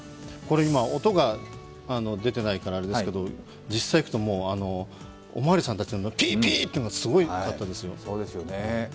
今、音が出ていないからあれですけど実際行くと、おまわりさんたちのピーピーっていうのがすごかったですよ。